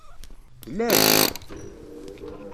D laɛǧeb!